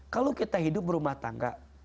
kalau kita hidup berumah tangga